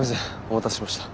お待たせしました。